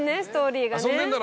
ストーリーがね。